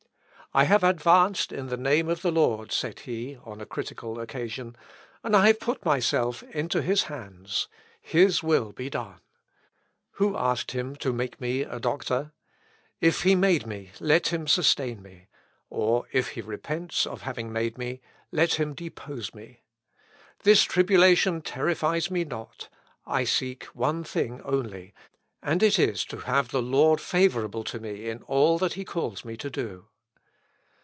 "I have advanced in the name of the Lord," said he, on a critical occasion, "and I have put myself into his hands. His will be done. Who asked him to make me a doctor? If He made me, let him sustain me; or if he repents of having made me, let Him depose me!.... This tribulation terrifies me not. I seek one thing only, and it is to have the Lord favourable to me in all that he calls me to do."